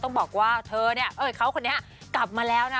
ต้องบอกว่าเธอเนี่ยเอ้ยเขาคนนี้กลับมาแล้วนะ